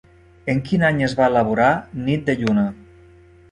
En quin any es va elaborar Nit de lluna?